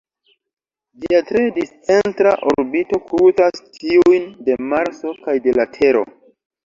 Ĝia tre discentra orbito krucas tiujn de Marso kaj de la Tero.